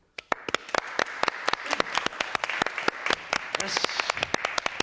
よし！